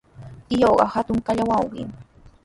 Tiyuuqa hatun kachallwayuqmi.